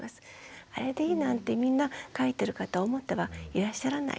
あれでいいなんてみんな書いてる方思ってはいらっしゃらない。